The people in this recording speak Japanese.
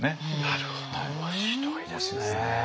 なるほど面白いですね。